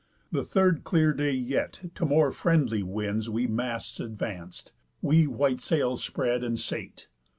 The third clear day yet, to more friendly winds We masts advanc'd, we white sails spread, and sate.